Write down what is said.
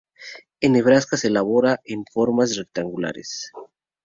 En Nebraska se elabora en formas rectangulares.